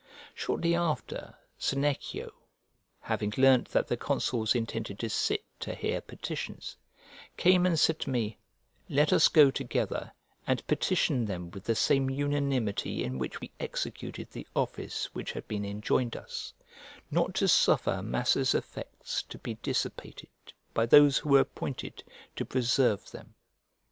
Shortly after, Senecio, having learnt that the consuls intended to sit to hear petitions, came and said to me, "Let us go together, and petition them with the same unanimity in which we executed the office which had been enjoined us, not to suffer Massa's effects to be dissipated by those who were appointed to preserve them."